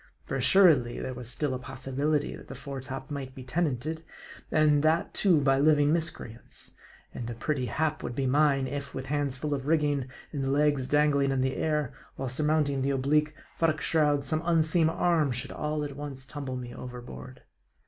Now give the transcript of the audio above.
For assuredly, there was still a possibility, that the fore top might be tenanted, and that too by living miscreants ; and a pretty hap would be mine, if, with hands full of rigging, and legs dangling in air, while surmounting the oblique M A R D I. 81 futtock shrouds, some unseen arm should all at once tumble me overboard.